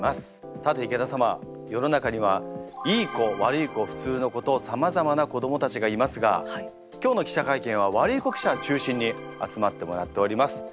さて池田様世の中にはいい子悪い子普通の子とさまざまな子どもたちがいますが今日の記者会見はワルイコ記者を中心に集まってもらっております。